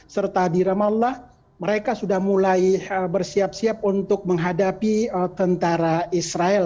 serta di ramallah mereka sudah mulai bersiap siap untuk menghadapi tentara israel